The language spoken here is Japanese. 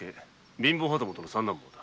貧乏旗本の三男坊だ。